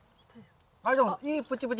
あっでもいいプチプチ。